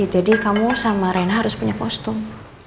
jadi kamu sama rena harus punya kostum